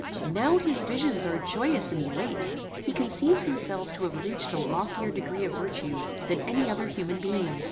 "Now his visions are joyous and elate. He conceives himself to have reached a loftier degree of virtue, than any other human being.